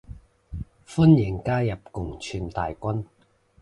歡迎加入共存大軍